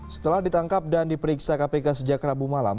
setelah ditangkap dan diperiksa kpk sejak rabu malam